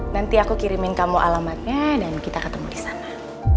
nanti aku kirimin kamu alamatnya dan kita ketemu di sana